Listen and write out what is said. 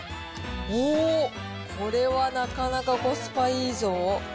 おー、これはなかなかコスパいいぞ。